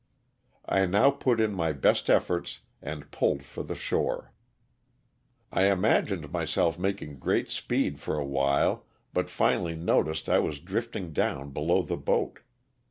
I now put in my best efforts and pulled for the shore ; I imagined myself making great speed for a while, but finally noticed I. was drifting down below the boat.